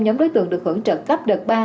nhóm đối tượng được hưởng trợ cấp đợt ba